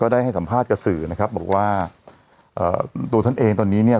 ได้ให้สัมภาษณ์กับสื่อนะครับบอกว่าเอ่อตัวท่านเองตอนนี้เนี่ย